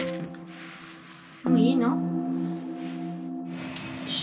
もういいの？